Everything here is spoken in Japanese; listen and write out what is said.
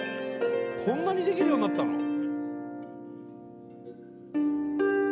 こんなにできるようになったの？